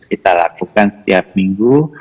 kita lakukan setiap minggu